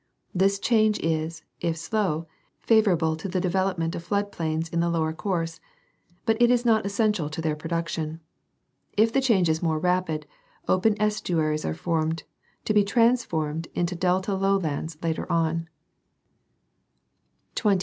This change is, if slow, favorable to the. development of flood plains in the lower course ; but it is not essential to their production. If the change is more rapid, open estuaries are formed, to be trans formed to delta lowlands later on. 214 National Geographic Magazine.